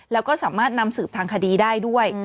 แล้วก็สามารถนำสืบทางคดีได้ด้วย